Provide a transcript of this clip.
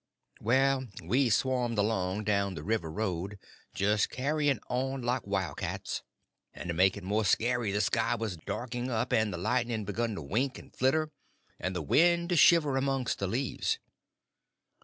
Well, we swarmed along down the river road, just carrying on like wildcats; and to make it more scary the sky was darking up, and the lightning beginning to wink and flitter, and the wind to shiver amongst the leaves.